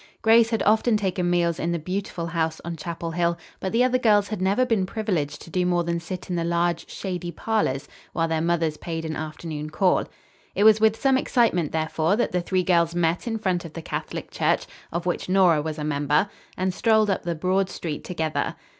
Grace had often taken meals in the beautiful house on Chapel Hill, but the other girls had never been privileged to do more than sit in the large, shady parlors while their mothers paid an afternoon call. It was with some excitement, therefore, that the three girls met in front of the Catholic Church, of which Nora was a member, and strolled up the broad street together.